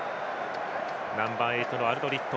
ナンバーエイトのアルドリット。